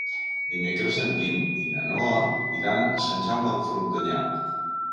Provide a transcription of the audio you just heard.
Dimecres en Guim i na Noa iran a Sant Jaume de Frontanyà.